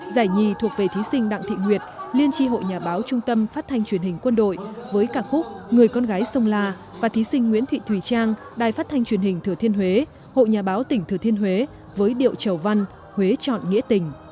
giải nhì thuộc về thí sinh đặng thị nguyệt liên tri hội nhà báo trung tâm phát thanh truyền hình quân đội với cả khúc người con gái sông la và thí sinh nguyễn thị thùy trang đài phát thanh truyền hình thừa thiên huế hội nhà báo tỉnh thừa thiên huế với điệu chầu văn huế chọn nghĩa tình